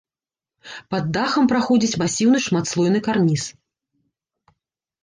Пад дахам праходзіць масіўны шматслойны карніз.